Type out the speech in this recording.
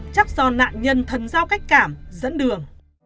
chắc do nạn nhân thần giao cách cảm dẫn đường